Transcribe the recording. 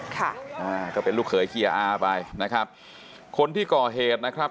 ค่ะอ่าก็เป็นลูกเขยเฮียอาไปนะครับคนที่ก่อเหตุนะครับ